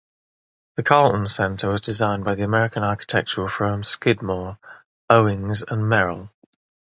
The Carlton Centre was designed by the American architectural firm Skidmore, Owings and Merrill.